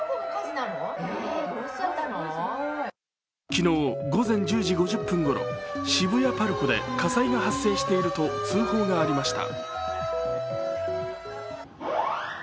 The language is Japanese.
昨日午前１０時５０分ごろ、渋谷ＰＡＲＣＯで火災が発生していると通報がありました。